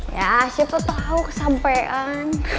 ya siapa tau kesampean